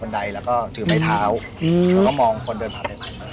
ไดแล้วก็ถือไม้เท้าแล้วก็มองคนเดินผ่านไปไหนมา